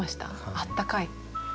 あったかい。